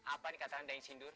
apa ini kata anda yang sindur